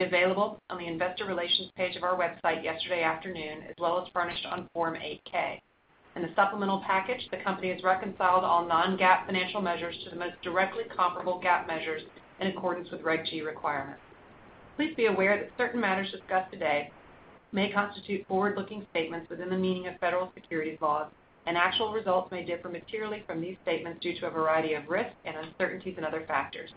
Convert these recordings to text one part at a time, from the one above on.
Available on the investor relations page of our website yesterday afternoon, as well as furnished on Form 8-K. In the supplemental package, the company has reconciled all non-GAAP financial measures to the most directly comparable GAAP measures in accordance with Regulation G requirements. Please be aware that certain matters discussed today may constitute forward-looking statements within the meaning of federal securities laws, and actual results may differ materially from these statements due to a variety of risks and uncertainties and other factors.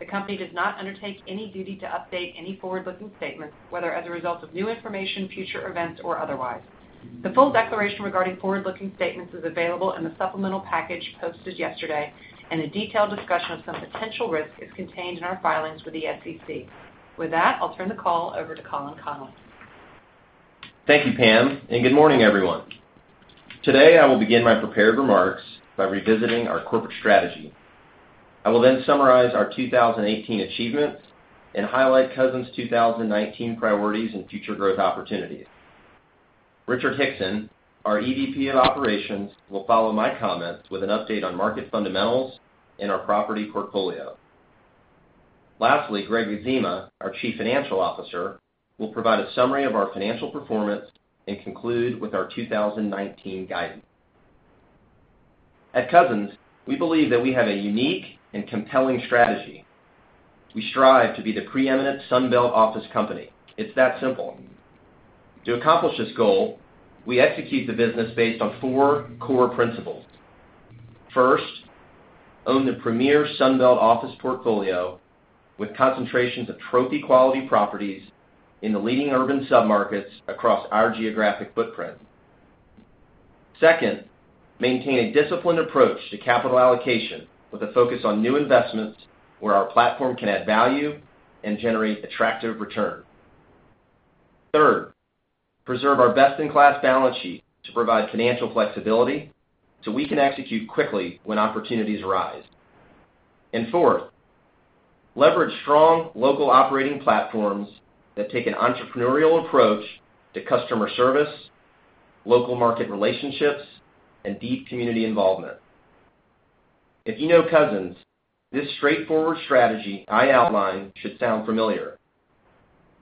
The company does not undertake any duty to update any forward-looking statements, whether as a result of new information, future events, or otherwise. The full declaration regarding forward-looking statements is available in the supplemental package posted yesterday, and a detailed discussion of some potential risks is contained in our filings with the SEC. With that, I'll turn the call over to Colin Connolly. Thank you, Pam, and good morning, everyone. Today, I will begin my prepared remarks by revisiting our corporate strategy. I will then summarize our 2018 achievements and highlight Cousins' 2019 priorities and future growth opportunities. Richard Hickson, our EVP of Operations, will follow my comments with an update on market fundamentals and our property portfolio. Lastly, Gregg Adzema, our Chief Financial Officer, will provide a summary of our financial performance and conclude with our 2019 guidance. At Cousins, we believe that we have a unique and compelling strategy. We strive to be the preeminent Sun Belt office company. It's that simple. To accomplish this goal, we execute the business based on four core principles. First, own the premier Sun Belt office portfolio with concentrations of trophy-quality properties in the leading urban submarkets across our geographic footprint. Second, maintain a disciplined approach to capital allocation with a focus on new investments where our platform can add value and generate attractive return. Third, preserve our best-in-class balance sheet to provide financial flexibility so we can execute quickly when opportunities arise. Fourth, leverage strong local operating platforms that take an entrepreneurial approach to customer service, local market relationships, and deep community involvement. If you know Cousins, this straightforward strategy I outlined should sound familiar.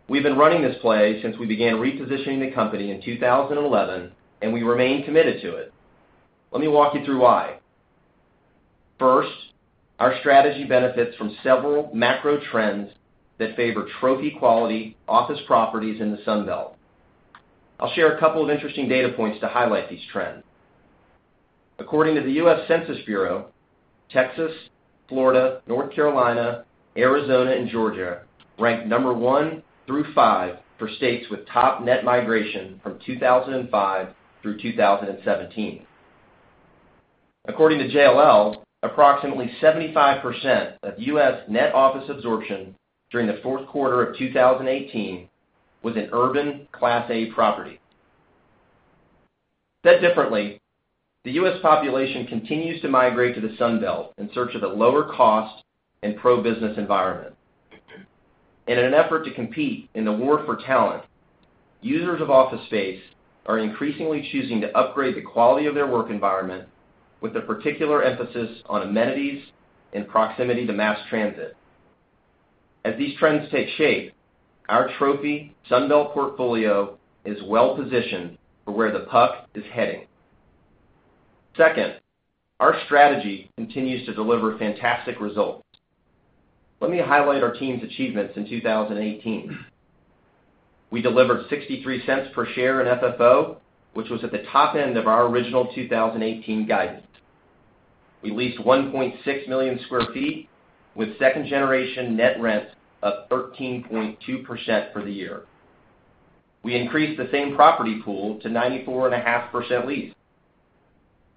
We've been running this play since we began repositioning the company in 2011, and we remain committed to it. Let me walk you through why. First, our strategy benefits from several macro trends that favor trophy-quality office properties in the Sun Belt. I'll share a couple of interesting data points to highlight these trends. According to the U.S. Census Bureau, Texas, Florida, North Carolina, Arizona, and Georgia ranked number one through five for states with top net migration from 2005 through 2017. According to JLL, approximately 75% of U.S. net office absorption during the fourth quarter of 2018 was in urban Class A property. Said differently, the U.S. population continues to migrate to the Sun Belt in search of a lower cost and pro-business environment. In an effort to compete in the war for talent, users of office space are increasingly choosing to upgrade the quality of their work environment, with a particular emphasis on amenities and proximity to mass transit. As these trends take shape, our trophy Sun Belt portfolio is well-positioned for where the puck is heading. Second, our strategy continues to deliver fantastic results. Let me highlight our team's achievements in 2018. We delivered $0.63 per share in FFO, which was at the top end of our original 2018 guidance. We leased 1.6 million sq ft, with second-generation net rents up 13.2% for the year. We increased the same property pool to 94.5% leased.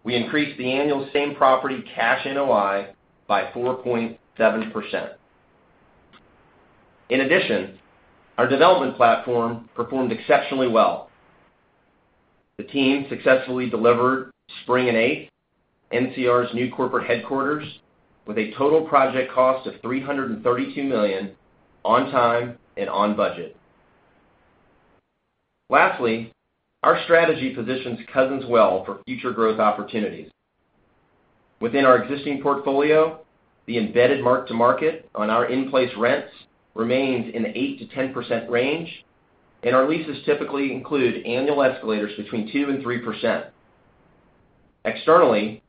We increased the annual same property cash NOI by 4.7%. In addition, our development platform performed exceptionally well. The team successfully delivered Spring & 8th, NCR's new corporate headquarters, with a total project cost of $332 million, on time and on budget. Lastly, our strategy positions Cousins well for future growth opportunities. Within our existing portfolio, the embedded mark-to-market on our in-place rents remains in the 8%-10% range, and our leases typically include annual escalators between 2% and 3%. Externally,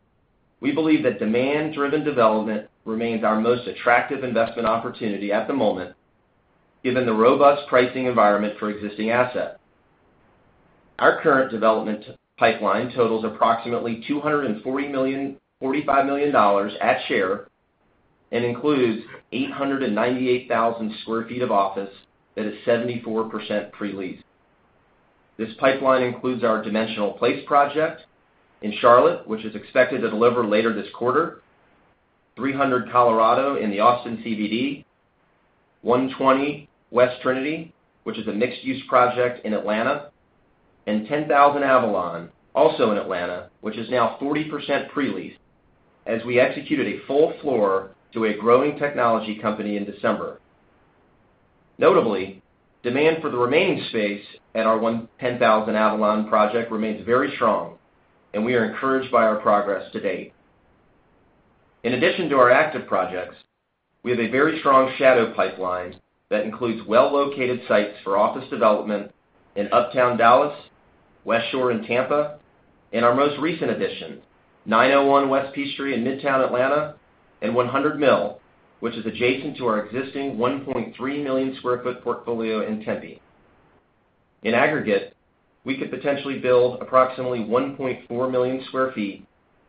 we believe that demand-driven development remains our most attractive investment opportunity at the moment, given the robust pricing environment for existing assets. Our current development pipeline totals approximately $245 million at share and includes 898,000 sq ft of office that is 74% pre-leased. This pipeline includes our Dimensional Place project in Charlotte, which is expected to deliver later this quarter, 300 Colorado in the Austin CBD, 120 West Trinity, which is a mixed-use project in Atlanta, and 10000 Avalon, also in Atlanta, which is now 40% pre-leased as we executed a full floor to a growing technology company in December. Notably, demand for the remaining space at our 10000 Avalon project remains very strong, and we are encouraged by our progress to date. In addition to our active projects, we have a very strong shadow pipeline that includes well-located sites for office development in Uptown Dallas, Westshore in Tampa, and our most recent addition, 901 West Peachtree in Midtown Atlanta and 100 Mill, which is adjacent to our existing 1.3-million-sq-ft portfolio in Tempe. In aggregate, we could potentially build approximately 1.4 million sq ft,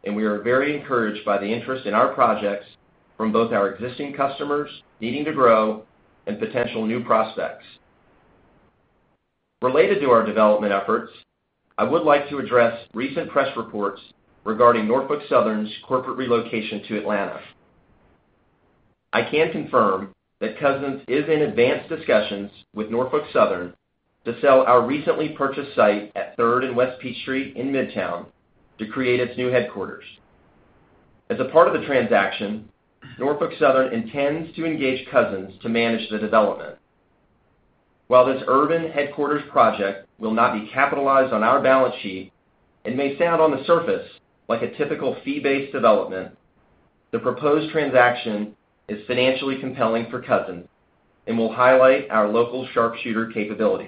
and we are very encouraged by the interest in our projects from both our existing customers needing to grow and potential new prospects. Related to our development efforts, I would like to address recent press reports regarding Norfolk Southern's corporate relocation to Atlanta. I can confirm that Cousins is in advanced discussions with Norfolk Southern to sell our recently purchased site at Third and West Peachtree in Midtown to create its new headquarters. As a part of the transaction, Norfolk Southern intends to engage Cousins to manage the development. While this urban headquarters project will not be capitalized on our balance sheet and may sound on the surface like a typical fee-based development, the proposed transaction is financially compelling for Cousins and will highlight our local sharpshooter capability.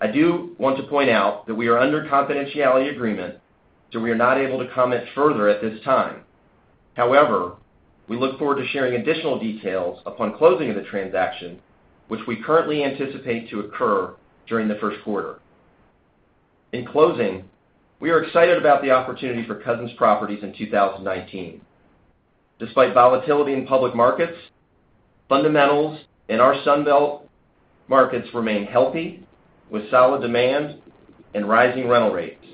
I do want to point out that we are under confidentiality agreement, so we are not able to comment further at this time. However, we look forward to sharing additional details upon closing of the transaction, which we currently anticipate to occur during the first quarter. In closing, we are excited about the opportunity for Cousins Properties in 2019. Despite volatility in public markets, fundamentals in our Sun Belt markets remain healthy, with solid demand and rising rental rates.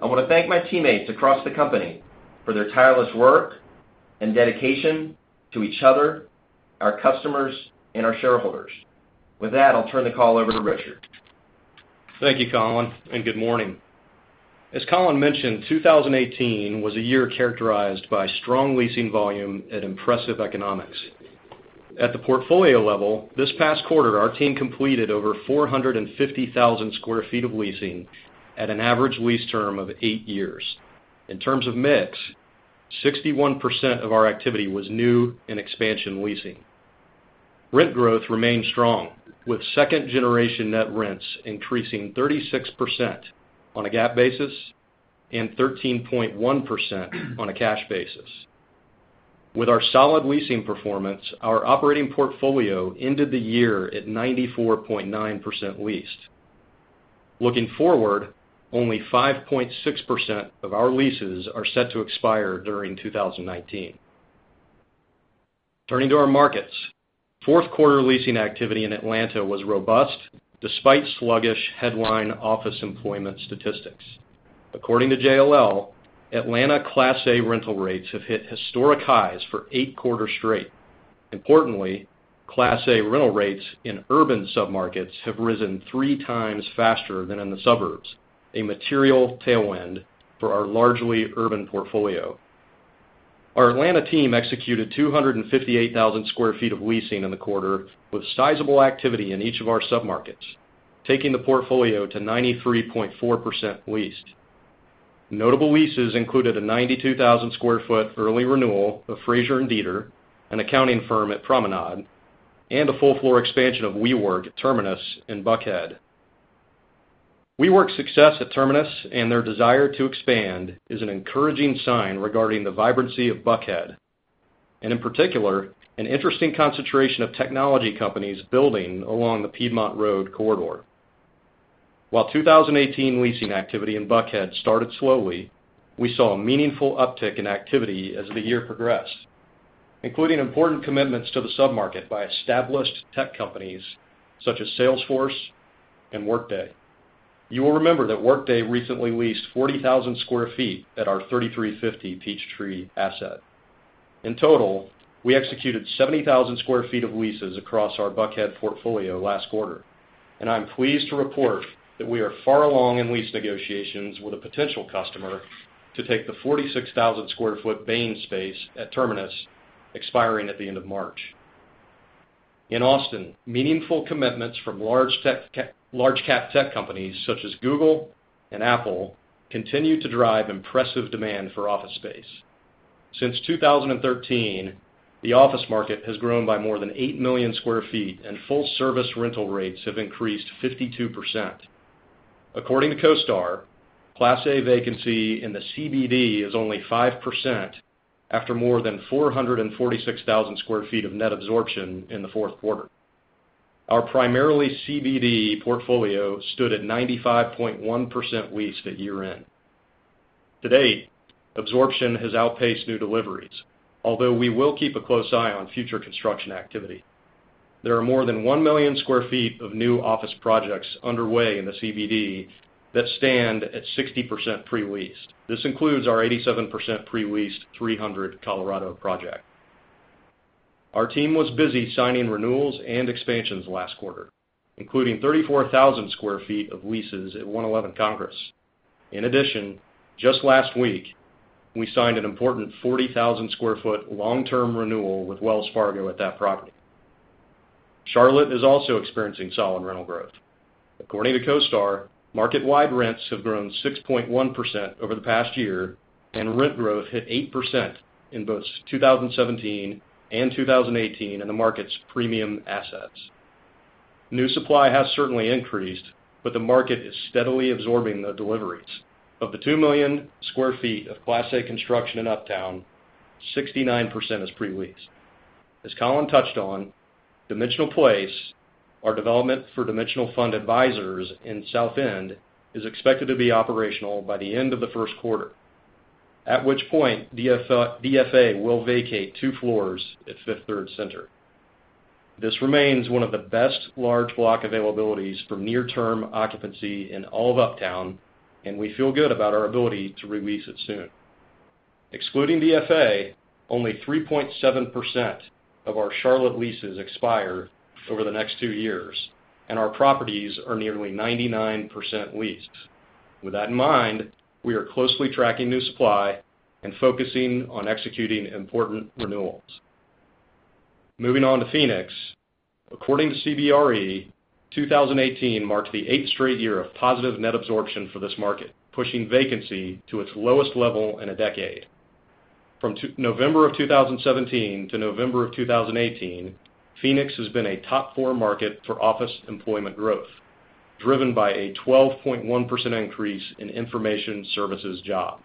I want to thank my teammates across the company for their tireless work and dedication to each other, our customers, and our shareholders. With that, I'll turn the call over to Richard. Thank you, Colin, and good morning. As Colin mentioned, 2018 was a year characterized by strong leasing volume and impressive economics. At the portfolio level, this past quarter, our team completed over 450,000 square feet of leasing at an average lease term of eight years. In terms of mix, 61% of our activity was new in expansion leasing. Rent growth remained strong, with second-generation net rents increasing 36% on a GAAP basis and 13.1% on a cash basis. With our solid leasing performance, our operating portfolio ended the year at 94.9% leased. Looking forward, only 5.6% of our leases are set to expire during 2019. Turning to our markets, fourth quarter leasing activity in Atlanta was robust despite sluggish headline office employment statistics. According to JLL, Atlanta Class A rental rates have hit historic highs for eight quarters straight. Importantly, Class A rental rates in urban submarkets have risen three times faster than in the suburbs, a material tailwind for our largely urban portfolio. Our Atlanta team executed 258,000 square feet of leasing in the quarter, with sizable activity in each of our submarkets, taking the portfolio to 93.4% leased. Notable leases included a 92,000-square-foot early renewal of Frazier & Deeter, an accounting firm at Promenade, and a full floor expansion of WeWork at Terminus in Buckhead. WeWork's success at Terminus and their desire to expand is an encouraging sign regarding the vibrancy of Buckhead, and in particular, an interesting concentration of technology companies building along the Piedmont Road corridor. While 2018 leasing activity in Buckhead started slowly, we saw a meaningful uptick in activity as the year progressed, including important commitments to the submarket by established tech companies such as Salesforce and Workday. You will remember that Workday recently leased 40,000 square feet at our 3350 Peachtree asset. In total, we executed 70,000 square feet of leases across our Buckhead portfolio last quarter, and I'm pleased to report that we are far along in lease negotiations with a potential customer to take the 46,000-square-foot Bain space at Terminus expiring at the end of March. In Austin, meaningful commitments from large cap tech companies such as Google and Apple continue to drive impressive demand for office space. Since 2013, the office market has grown by more than eight million square feet, and full-service rental rates have increased 52%. According to CoStar, Class A vacancy in the CBD is only 5% after more than 446,000 square feet of net absorption in the fourth quarter. Our primarily CBD portfolio stood at 95.1% leased at year-end. To date, absorption has outpaced new deliveries, although we will keep a close eye on future construction activity. There are more than one million square feet of new office projects underway in the CBD that stand at 60% pre-leased. This includes our 87% pre-leased 300 Colorado project. Our team was busy signing renewals and expansions last quarter, including 34,000 square feet of leases at 111 Congress. In addition, just last week, we signed an important 40,000-square-foot long-term renewal with Wells Fargo at that property. Charlotte is also experiencing solid rental growth. According to CoStar, market-wide rents have grown 6.1% over the past year, and rent growth hit 8% in both 2017 and 2018 in the market's premium assets. New supply has certainly increased, but the market is steadily absorbing the deliveries. Of the two million square feet of Class A construction in Uptown, 69% is pre-leased. As Colin touched on, Dimensional Place, our development for Dimensional Fund Advisors in South End, is expected to be operational by the end of the first quarter, at which point DFA will vacate two floors at Fifth Third Center. This remains one of the best large block availabilities for near-term occupancy in all of Uptown. We feel good about our ability to re-lease it soon. Excluding DFA, only 3.7% of our Charlotte leases expire over the next two years. Our properties are nearly 99% leased. With that in mind, we are closely tracking new supply and focusing on executing important renewals. Moving on to Phoenix. According to CBRE, 2018 marked the eighth straight year of positive net absorption for this market, pushing vacancy to its lowest level in a decade. From November of 2017 to November of 2018, Phoenix has been a top four market for office employment growth, driven by a 12.1% increase in information services jobs.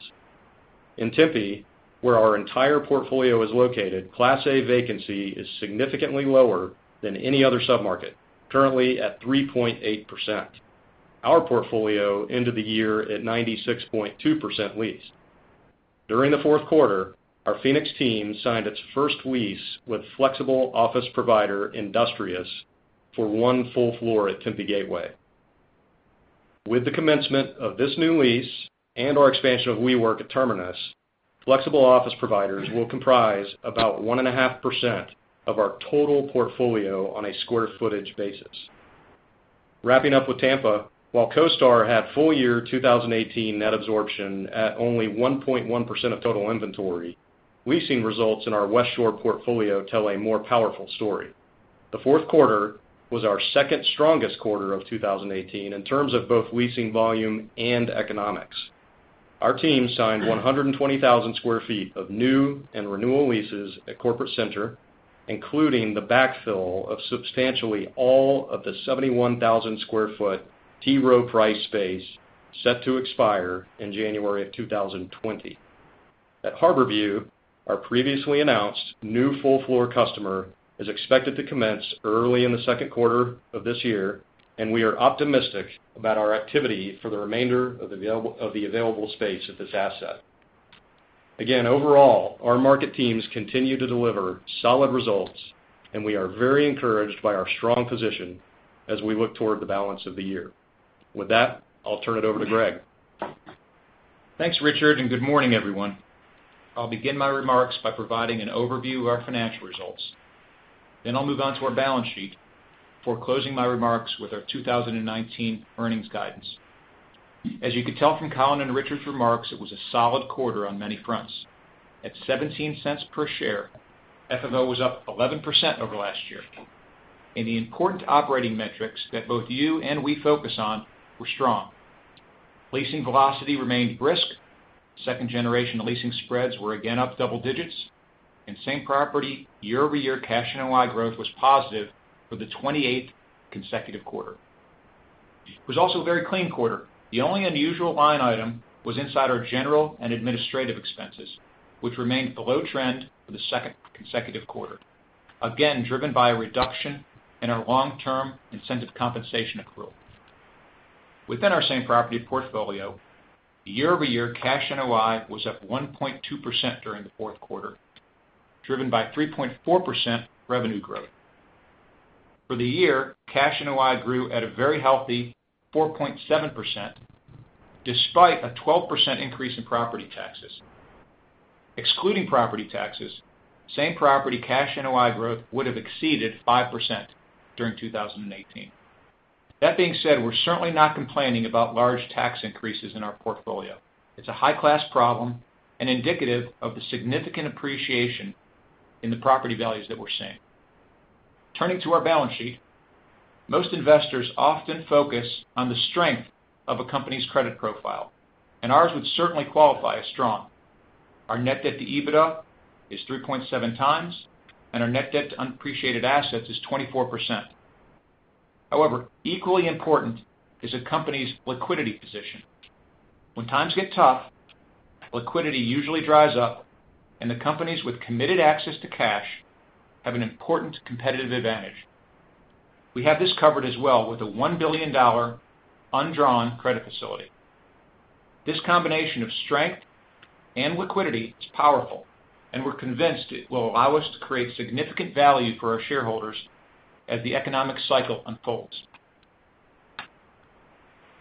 In Tempe, where our entire portfolio is located, Class A vacancy is significantly lower than any other sub-market, currently at 3.8%. Our portfolio ended the year at 96.2% leased. During the fourth quarter, our Phoenix team signed its first lease with flexible office provider, Industrious, for one full floor at Tempe Gateway. With the commencement of this new lease and our expansion of WeWork at Terminus, flexible office providers will comprise about 1.5% of our total portfolio on a square footage basis. Wrapping up with Tampa. While CoStar had full year 2018 net absorption at only 1.1% of total inventory, leasing results in our Westshore portfolio tell a more powerful story. The fourth quarter was our second strongest quarter of 2018 in terms of both leasing volume and economics. Our team signed 120,000 sq ft of new and renewal leases at Corporate Center, including the backfill of substantially all of the 71,000 sq ft T. Rowe Price space set to expire in January of 2020. At Harborview, our previously announced new full floor customer is expected to commence early in the second quarter of this year. We are optimistic about our activity for the remainder of the available space at this asset. Again, overall, our market teams continue to deliver solid results. We are very encouraged by our strong position as we look toward the balance of the year. With that, I'll turn it over to Gregg. Thanks, Richard. Good morning, everyone. I'll begin my remarks by providing an overview of our financial results. I'll move on to our balance sheet before closing my remarks with our 2019 earnings guidance. As you could tell from Colin and Richard's remarks, it was a solid quarter on many fronts. At $0.17 per share, FFO was up 11% over last year. The important operating metrics that both you and we focus on were strong. Leasing velocity remained brisk. Second generation leasing spreads were again up double digits. Same-property year-over-year cash NOI growth was positive for the 28th consecutive quarter. It was also a very clean quarter. The only unusual line item was inside our general and administrative expenses, which remained below trend for the second consecutive quarter, again, driven by a reduction in our long-term incentive compensation accrual. Within our same-property portfolio, year-over-year cash NOI was up 1.2% during the fourth quarter, driven by 3.4% revenue growth. For the year, cash NOI grew at a very healthy 4.7%, despite a 12% increase in property taxes. Excluding property taxes, same property cash NOI growth would have exceeded 5% during 2018. That being said, we're certainly not complaining about large tax increases in our portfolio. It's a high-class problem and indicative of the significant appreciation in the property values that we're seeing. Turning to our balance sheet. Most investors often focus on the strength of a company's credit profile, and ours would certainly qualify as strong. Our net debt to EBITDA is 3.7 times, and our net debt to appreciated assets is 24%. However, equally important is a company's liquidity position. When times get tough, liquidity usually dries up, the companies with committed access to cash have an important competitive advantage. We have this covered as well with a $1 billion undrawn credit facility. This combination of strength and liquidity is powerful, we're convinced it will allow us to create significant value for our shareholders as the economic cycle unfolds.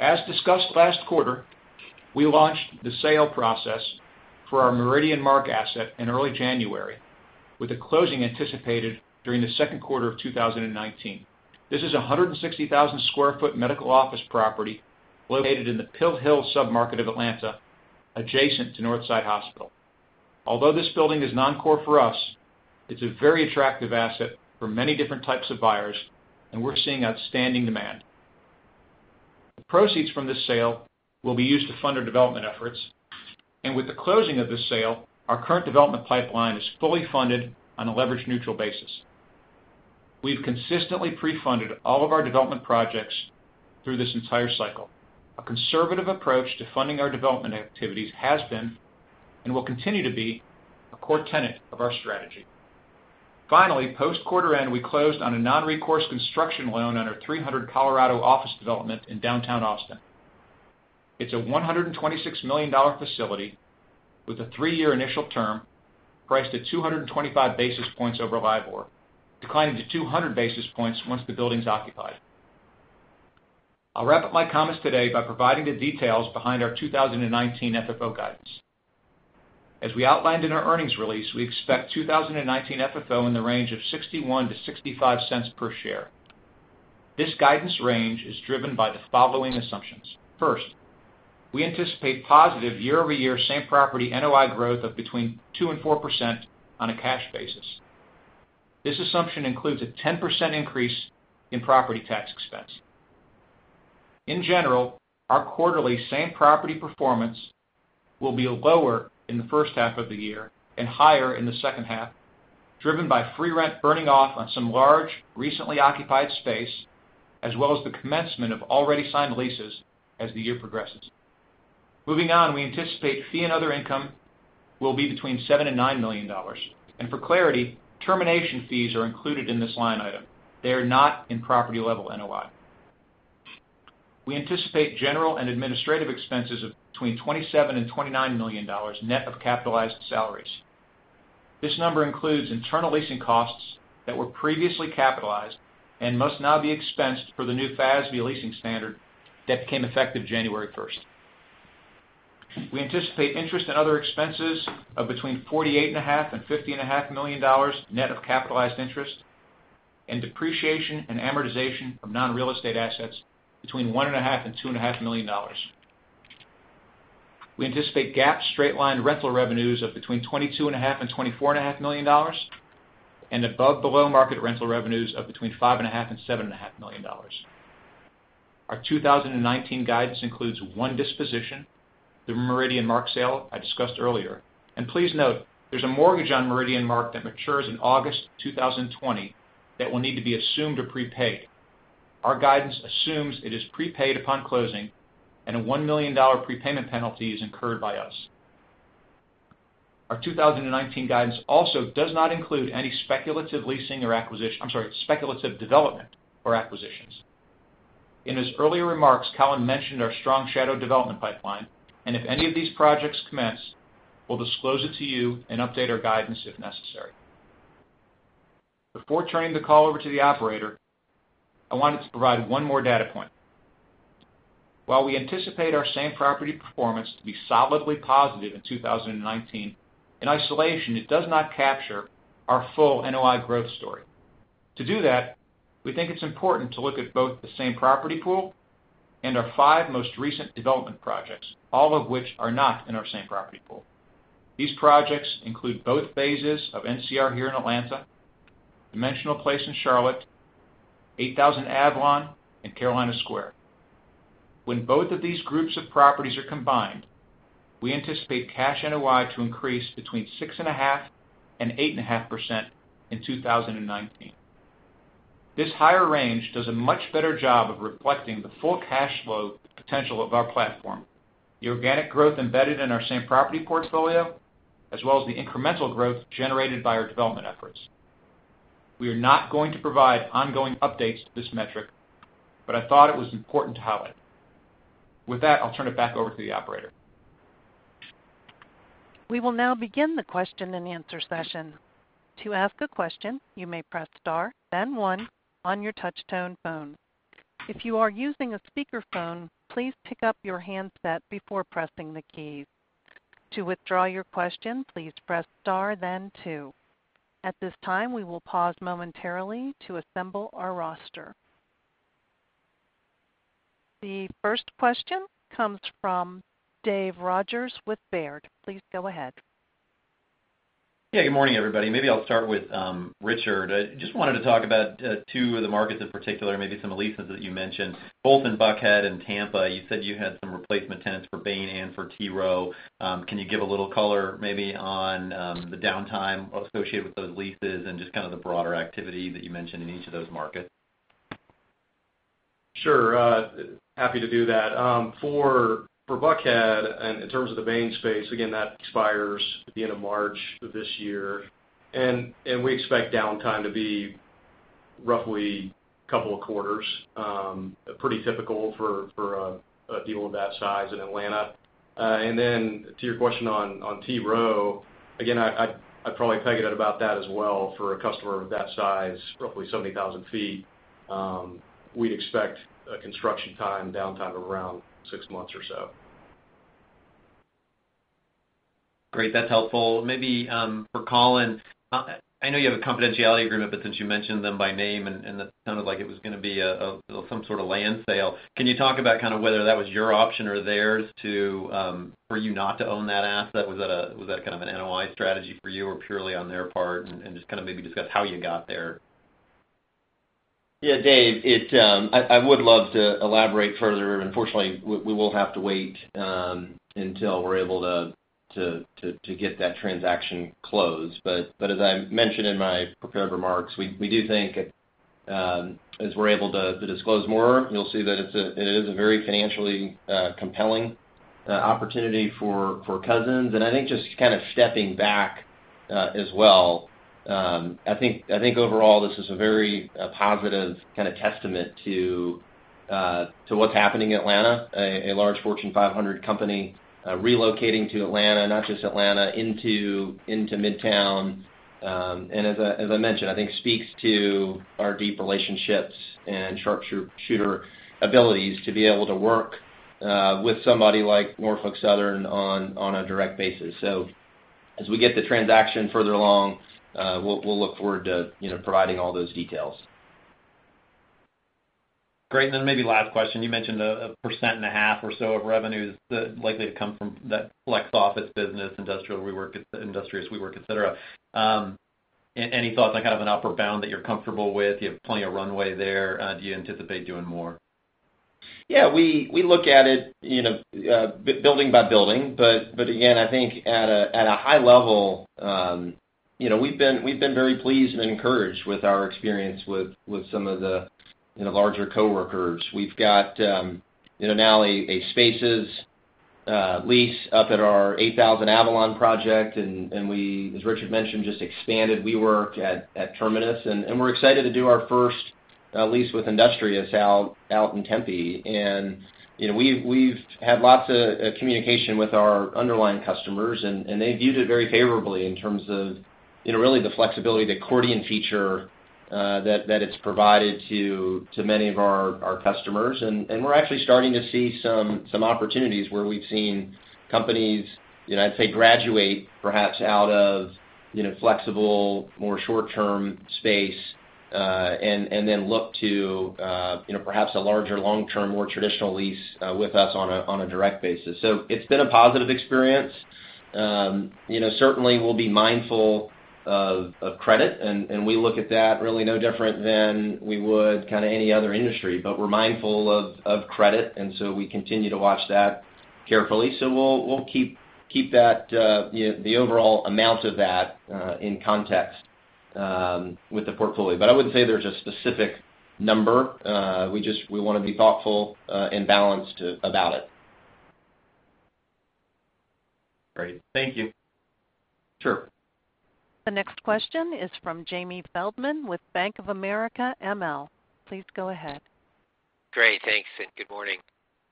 As discussed last quarter, we launched the sale process for our Meridian Mark asset in early January, with the closing anticipated during the second quarter of 2019. This is a 160,000 sq ft medical office property located in the Pill Hill sub-market of Atlanta, adjacent to Northside Hospital. Although this building is non-core for us, it's a very attractive asset for many different types of buyers, we're seeing outstanding demand. The proceeds from this sale will be used to fund our development efforts. With the closing of this sale, our current development pipeline is fully funded on a leverage-neutral basis. We've consistently pre-funded all of our development projects through this entire cycle. A conservative approach to funding our development activities has been, and will continue to be, a core tenet of our strategy. Finally, post quarter end, we closed on a non-recourse construction loan on our 300 Colorado office development in downtown Austin. It's a $126 million facility with a three-year initial term priced at 225 basis points over LIBOR, declining to 200 basis points once the building's occupied. I'll wrap up my comments today by providing the details behind our 2019 FFO guidance. As we outlined in our earnings release, we expect 2019 FFO in the range of $0.61 to $0.65 per share. This guidance range is driven by the following assumptions. First, we anticipate positive year-over-year same-property NOI growth of between 2% and 4% on a cash basis. This assumption includes a 10% increase in property tax expense. In general, our quarterly same-property performance will be lower in the first half of the year and higher in the second half, driven by free rent burning off on some large, recently occupied space, as well as the commencement of already signed leases as the year progresses. Moving on, we anticipate fee and other income will be between $7 million and $9 million. For clarity, termination fees are included in this line item. They are not in property-level NOI. We anticipate general and administrative expenses of between $27 million and $29 million, net of capitalized salaries. This number includes internal leasing costs that were previously capitalized and must now be expensed for the new FASB leasing standard that became effective January 1st. We anticipate interest in other expenses of between $48.5 million and $50.5 million, net of capitalized interest, and depreciation and amortization of non-real estate assets between $1.5 million and $2.5 million. We anticipate GAAP straight-line rental revenues of between $22.5 million and $24.5 million, and above-below-market rental revenues of between $5.5 million and $7.5 million. Our 2019 guidance includes one disposition, the Meridian Mark sale I discussed earlier. Please note, there is a mortgage on Meridian Mark that matures in August 2020 that will need to be assumed or prepaid. Our guidance assumes it is prepaid upon closing and a $1 million prepayment penalty is incurred by us. Our 2019 guidance also does not include any speculative development or acquisitions. In his earlier remarks, Colin mentioned our strong shadow development pipeline, and if any of these projects commence, we will disclose it to you and update our guidance if necessary. Before turning the call over to the operator, I wanted to provide one more data point. While we anticipate our same-property performance to be solidly positive in 2019, in isolation, it does not capture our full NOI growth story. To do that, we think it is important to look at both the same-property pool and our five most recent development projects, all of which are not in our same-property pool. These projects include both phases of NCR here in Atlanta, Dimensional Place in Charlotte, 8000 Avalon, and Carolina Square. When both of these groups of properties are combined, we anticipate cash NOI to increase between 6.5% and 8.5% in 2019. This higher range does a much better job of reflecting the full cash flow potential of our platform, the organic growth embedded in our same-property portfolio, as well as the incremental growth generated by our development efforts. We are not going to provide ongoing updates to this metric, but I thought it was important to highlight. With that, I will turn it back over to the operator. We will now begin the question-and-answer session. To ask a question, you may press star, then one on your touch-tone phone. If you are using a speakerphone, please pick up your handset before pressing the keys. To withdraw your question, please press star, then two. At this time, we will pause momentarily to assemble our roster. The first question comes from David Rodgers with Baird. Please go ahead. Yeah. Good morning, everybody. Maybe I'll start with Richard. I just wanted to talk about two of the markets in particular, maybe some leases that you mentioned. Both in Buckhead and Tampa, you said you had some replacement tenants for Bain and for T. Rowe. Can you give a little color maybe on the downtime associated with those leases and just kind of the broader activity that you mentioned in each of those markets? Sure. Happy to do that. For Buckhead, in terms of the Bain space, again, that expires at the end of March of this year. We expect downtime to be roughly a couple of quarters. Pretty typical for a deal of that size in Atlanta. To your question on T. Rowe, again, I'd probably peg it at about that as well for a customer of that size, roughly 70,000 feet. We'd expect a construction time downtime of around six months or so. Great. That's helpful. Maybe for Colin, I know you have a confidentiality agreement, since you mentioned them by name and that sounded like it was going to be some sort of land sale, can you talk about kind of whether that was your option or theirs for you not to own that asset? Was that kind of an NOI strategy for you or purely on their part? Just kind of maybe discuss how you got there. Yeah, Dave, I would love to elaborate further. Unfortunately, we will have to wait until we're able to get that transaction closed. As I mentioned in my prepared remarks, we do think as we're able to disclose more, you'll see that it is a very financially compelling opportunity for Cousins. I think just kind of stepping back as well, I think overall, this is a very positive kind of testament to what's happening in Atlanta. A large Fortune 500 company relocating to Atlanta, not just Atlanta, into Midtown. As I mentioned, I think speaks to our deep relationships and sharpshooter abilities to be able to work with somebody like Norfolk Southern on a direct basis. As we get the transaction further along, we'll look forward to providing all those details. Great. Maybe last question. You mentioned 1.5% or so of revenues that are likely to come from that flex office business, Industrious WeWork, et cetera. Any thoughts on kind of an upper bound that you're comfortable with? Do you have plenty of runway there? Do you anticipate doing more? Yeah, we look at it building by building. Again, I think at a high level, we've been very pleased and encouraged with our experience with some of the larger coworkers. We've got now a Spaces lease up at our 8000 Avalon project, and we, as Richard mentioned, just expanded WeWork at Terminus, and we're excited to do our first lease with Industrious out in Tempe. We've had lots of communication with our underlying customers, and they viewed it very favorably in terms of really the flexibility, the accordion feature that it's provided to many of our customers. We're actually starting to see some opportunities where we've seen companies, I'd say, graduate perhaps out of flexible, more short-term space, and then look to perhaps a larger long-term, more traditional lease with us on a direct basis. It's been a positive experience. Certainly, we'll be mindful of credit, we look at that really no different than we would kind of any other industry. We're mindful of credit, we continue to watch that carefully. We'll keep the overall amount of that in context with the portfolio. I wouldn't say there's a specific number. We want to be thoughtful and balanced about it. Great. Thank you. Sure. The next question is from Jamie Feldman with Bank of America ML. Please go ahead. Great. Thanks, and good morning.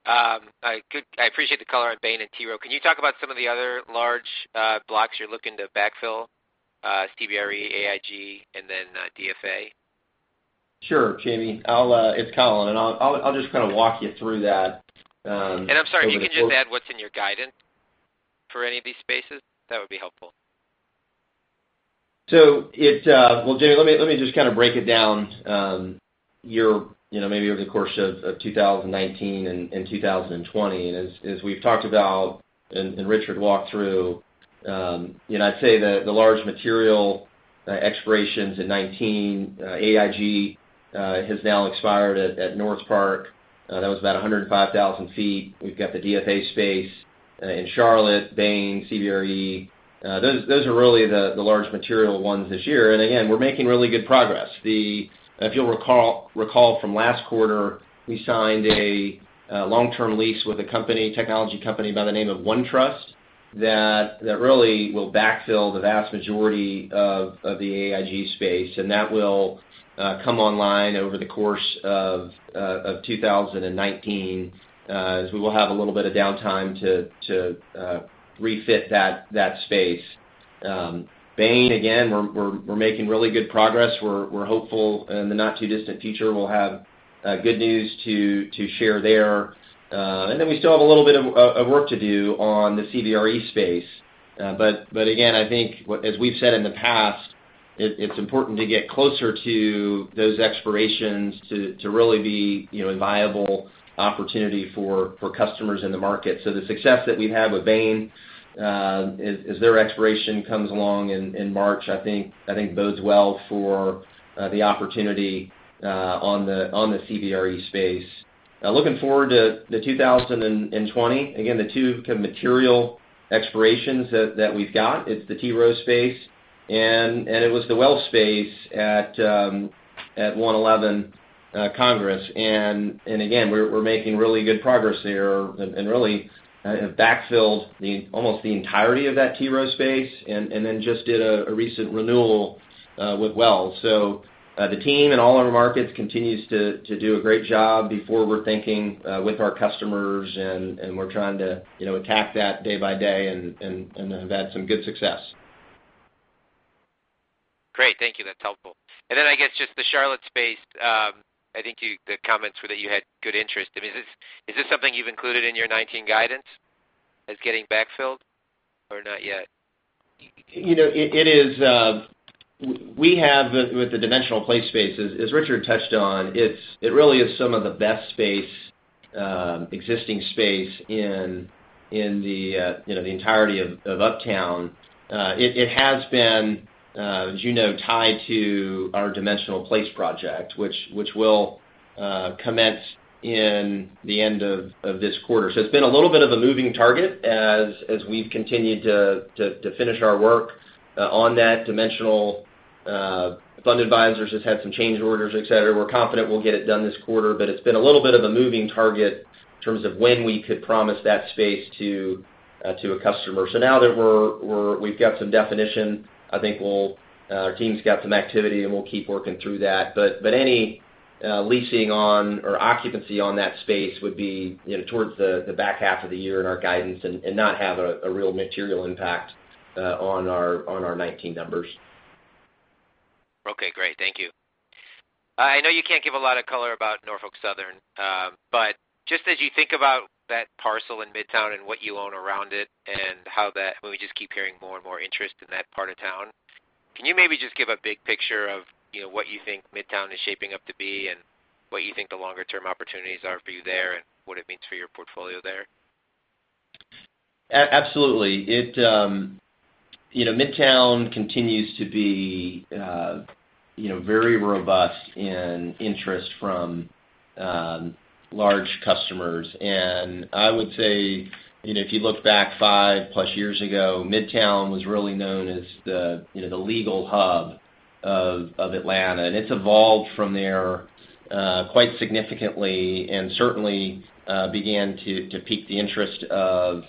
I appreciate the color on Bain and T. Rowe. Can you talk about some of the other large blocks you're looking to backfill, CBRE, AIG, and then DFA? Sure, Jamie. It's Colin, and I'll just kind of walk you through that. I'm sorry, if you can just add what's in your guidance for any of these spaces, that would be helpful. Jamie, let me just kind of break it down maybe over the course of 2019 and 2020. As we've talked about, and Richard walked through, I'd say that the large material expirations in 2019, AIG has now expired at Northpark. That was about 105,000 feet. We've got the DFA space in Charlotte, Bain, CBRE. Those are really the large material ones this year. Again, we're making really good progress. If you'll recall from last quarter, we signed a long-term lease with a technology company by the name of OneTrust that really will backfill the vast majority of the AIG space, and that will come online over the course of 2019, as we will have a little bit of downtime to refit that space. Bain, again, we're making really good progress. We're hopeful in the not-too-distant future we'll have good news to share there. We still have a little bit of work to do on the CBRE space. Again, I think as we've said in the past, it's important to get closer to those expirations to really be a viable opportunity for customers in the market. The success that we've had with Bain, as their expiration comes along in March, I think bodes well for the opportunity on the CBRE space. Looking forward to 2020, again, the two kind of material expirations that we've got, it's the T. Rowe space, and it was the Wells space at 111 Congress. Again, we're making really good progress there and really have backfilled almost the entirety of that T. Rowe space and then just did a recent renewal with Wells. The team in all our markets continues to do a great job before we're thinking with our customers, and we're trying to attack that day by day and have had some good success. Great. Thank you. That's helpful. I guess just the Charlotte space. I think the comments were that you had good interest. Is this something you've included in your 2019 guidance as getting backfilled or not yet? We have, with the Dimensional Place spaces, as Richard touched on, it really is some of the best existing space in the entirety of Uptown. It has been, as you know, tied to our Dimensional Place project, which will commence in the end of this quarter. It's been a little bit of a moving target as we've continued to finish our work on that Dimensional Fund Advisors has had some change orders, et cetera. We're confident we'll get it done this quarter, but it's been a little bit of a moving target in terms of when we could promise that space to a customer. Now that we've got some definition, I think our team's got some activity, and we'll keep working through that. Any leasing on or occupancy on that space would be towards the back half of the year in our guidance and not have a real material impact on our 2019 numbers. Okay, great. Thank you. I know you can't give a lot of color about Norfolk Southern. Just as you think about that parcel in Midtown and what you own around it, when we just keep hearing more and more interest in that part of town, can you maybe just give a big picture of what you think Midtown is shaping up to be, and what you think the longer-term opportunities are for you there, and what it means for your portfolio there? Absolutely. Midtown continues to be very robust in interest from large customers. I would say, if you look back 5-plus years ago, Midtown was really known as the legal hub of Atlanta, and it's evolved from there quite significantly and certainly began to pique the interest of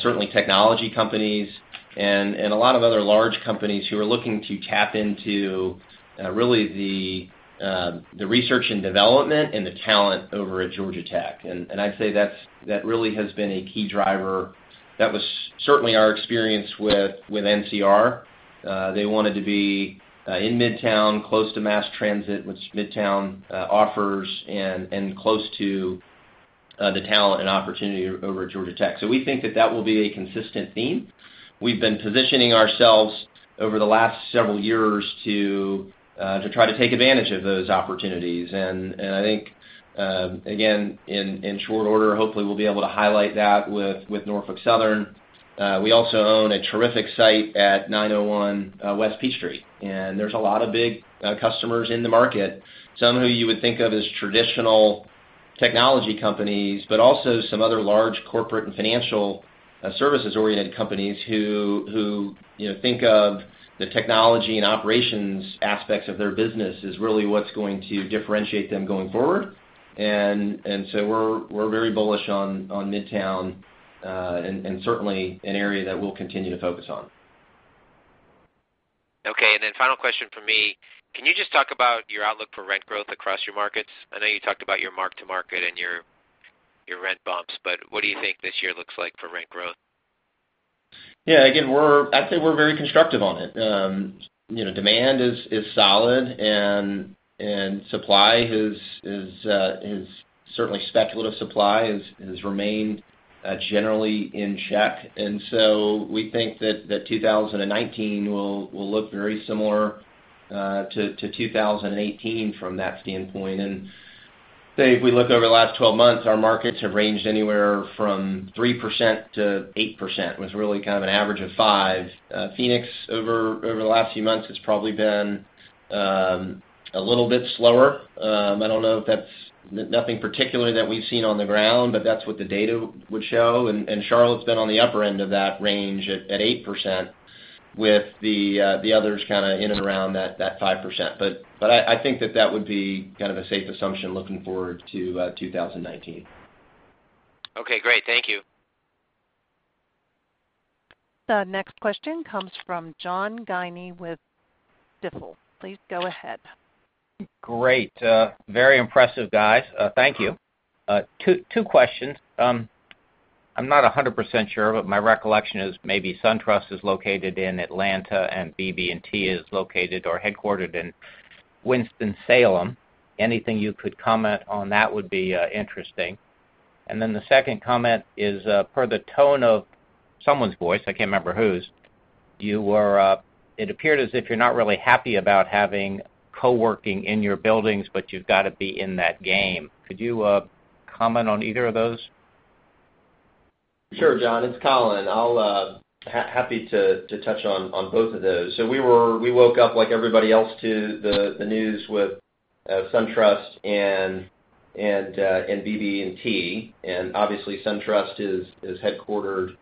certainly technology companies and a lot of other large companies who are looking to tap into really the research and development and the talent over at Georgia Tech. I'd say that really has been a key driver. That was certainly our experience with NCR. They wanted to be in Midtown, close to mass transit, which Midtown offers, and close to the talent and opportunity over at Georgia Tech. We think that that will be a consistent theme. We've been positioning ourselves over the last several years to try to take advantage of those opportunities. I think, again, in short order, hopefully we'll be able to highlight that with Norfolk Southern. We also own a terrific site at 901 West Peachtree, and there's a lot of big customers in the market. Some who you would think of as traditional technology companies, but also some other large corporate and financial services-oriented companies who think of the technology and operations aspects of their business as really what's going to differentiate them going forward. We're very bullish on Midtown and certainly an area that we'll continue to focus on. Okay, final question from me. Can you just talk about your outlook for rent growth across your markets? I know you talked about your mark-to-market and your rent bumps, but what do you think this year looks like for rent growth? Again, I'd say we're very constructive on it. Demand is solid and supply, certainly speculative supply, has remained generally in check. We think that 2019 will look very similar to 2018 from that standpoint. If we look over the last 12 months, our markets have ranged anywhere from 3% to 8%, with really kind of an average of 5%. Phoenix, over the last few months, it's probably been a little bit slower. I don't know if that's nothing particular that we've seen on the ground, but that's what the data would show. Charlotte's been on the upper end of that range at 8%, with the others kind of in and around that 5%. I think that that would be kind of a safe assumption looking forward to 2019. Okay, great. Thank you. The next question comes from John Kim with BMO Capital Markets. Please go ahead. Great. Very impressive, guys. Thank you. Two questions. I'm not 100% sure, but my recollection is maybe SunTrust is located in Atlanta and BB&T is located or headquartered in Winston-Salem. Anything you could comment on that would be interesting. The second comment is, per the tone of someone's voice, I can't remember whose, it appeared as if you're not really happy about having co-working in your buildings, but you've got to be in that game. Could you comment on either of those? Sure, John Kim, it's Colin Connolly. Happy to touch on both of those. We woke up like everybody else to the news with SunTrust and BB&T. Obviously SunTrust is headquartered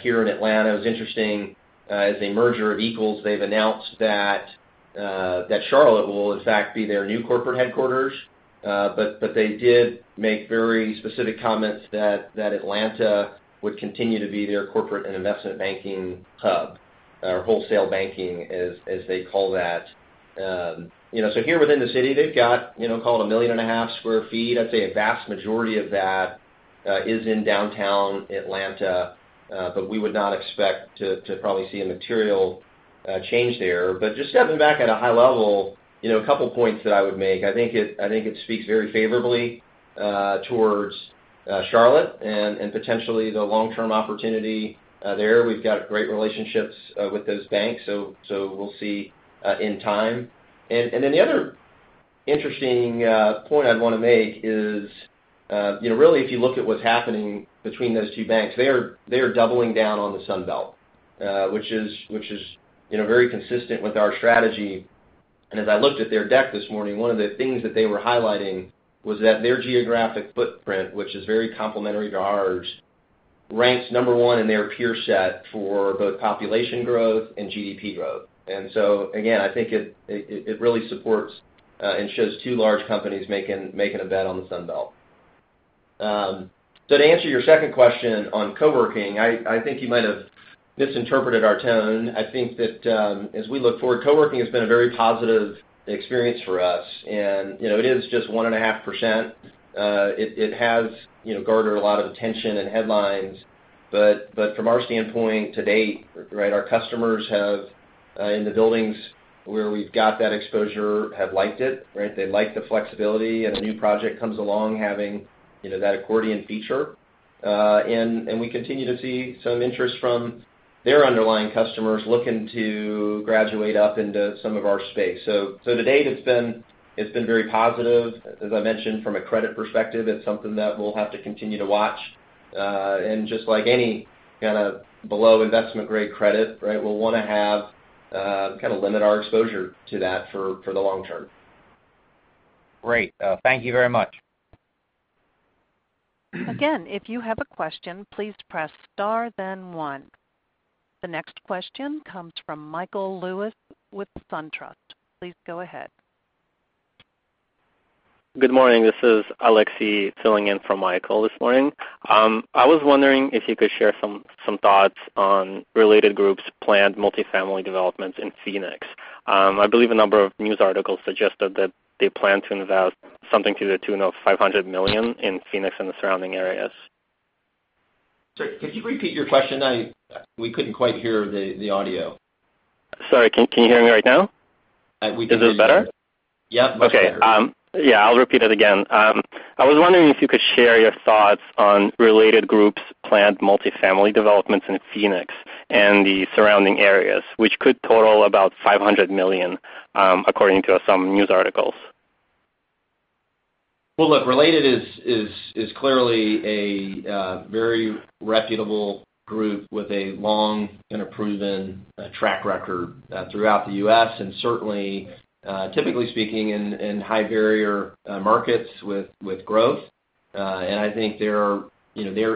here in Atlanta. What's interesting, as a merger of equals, they've announced that Charlotte will in fact be their new corporate headquarters. They did make very specific comments that Atlanta would continue to be their corporate and investment banking hub, or wholesale banking, as they call that. Here within the city, they've got call it 1.5 million sq ft. I'd say a vast majority of that is in downtown Atlanta. We would not expect to probably see a material change there. Just stepping back at a high level, a couple points that I would make. I think it speaks very favorably towards Charlotte and potentially the long-term opportunity there. We've got great relationships with those banks. We'll see in time. The other interesting point I'd want to make is, really if you look at what's happening between those two banks, they are doubling down on the Sun Belt which is very consistent with our strategy. As I looked at their deck this morning, one of the things that they were highlighting was that their geographic footprint, which is very complementary to ours, ranks number 1 in their peer set for both population growth and GDP growth. Again, I think it really supports and shows two large companies making a bet on the Sun Belt. To answer your second question on co-working, I think you might have misinterpreted our tone. I think that as we look forward, co-working has been a very positive experience for us and it is just 1.5%. It has garnered a lot of attention and headlines, but from our standpoint to date, our customers have, in the buildings where we've got that exposure, have liked it. They like the flexibility as a new project comes along having that accordion feature. We continue to see some interest from their underlying customers looking to graduate up into some of our space. To date, it's been very positive. As I mentioned from a credit perspective, it's something that we'll have to continue to watch. Just like any kind of below investment-grade credit, we'll want to have kind of limit our exposure to that for the long term. Great. Thank you very much. Again, if you have a question, please press star then one. The next question comes from Michael Lewis with SunTrust. Please go ahead. Good morning. This is Alexi filling in for Michael this morning. I was wondering if you could share some thoughts on Related Group's planned multifamily developments in Phoenix. I believe a number of news articles suggested that they plan to invest something to the tune of $500 million in Phoenix and the surrounding areas. Sorry, could you repeat your question? We couldn't quite hear the audio. Sorry, can you hear me right now? We can. Is this better? Yep, much better. Okay. Yeah, I'll repeat it again. I was wondering if you could share your thoughts on Related Group's planned multifamily developments in Phoenix and the surrounding areas, which could total about $500 million, according to some news articles. Well, look, Related is clearly a very reputable group with a long and a proven track record throughout the U.S., and certainly, typically speaking, in high barrier markets with growth. I think their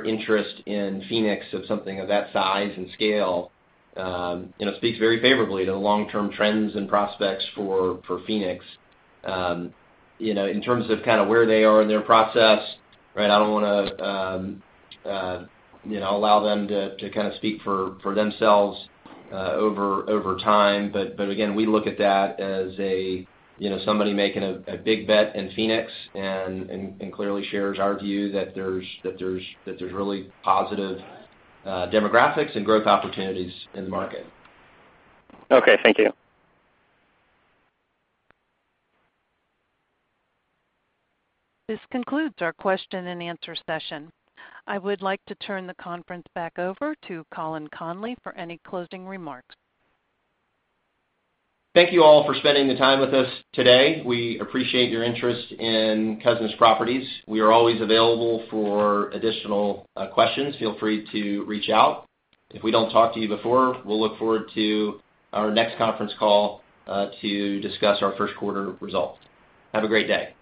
interest in Phoenix of something of that size and scale speaks very favorably to the long-term trends and prospects for Phoenix. In terms of kind of where they are in their process, I don't want to allow them to kind of speak for themselves over time, but again, we look at that as somebody making a big bet in Phoenix and clearly shares our view that there's really positive demographics and growth opportunities in the market. Okay. Thank you. This concludes our question and answer session. I would like to turn the conference back over to Colin Connolly for any closing remarks. Thank you all for spending the time with us today. We appreciate your interest in Cousins Properties. We are always available for additional questions. Feel free to reach out. If we don't talk to you before, we'll look forward to our next conference call to discuss our first quarter results. Have a great day.